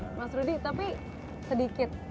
oke mas rudy tapi sedikit